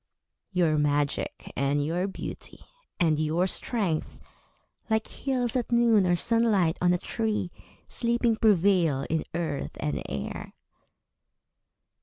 ... Your magic and your beauty and your strength, Like hills at noon or sunlight on a tree, Sleeping prevail in earth and air.